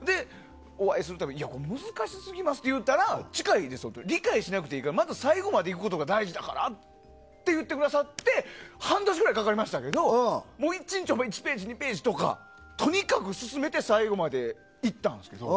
お会いした時に難しすぎますって言ったら理解しなくていいから最後までいくことが大事だからって言ってくださって半年ぐらいかかりましたけど１日１ページ、２ページとかとにかく進めて最後までいったんですよ。